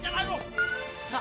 teman teman aku mau ke sana